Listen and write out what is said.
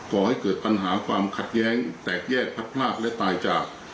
ก่อให้เกิดปัญหาความขัดแย้งแตกแยกพัดพลากและตายจาก